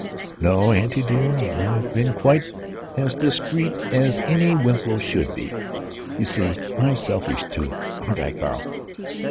"No, auntie dear, I've been quite as discreet as any Winslow should be. You see, I'm selfish, too. Aren't I, Carl?"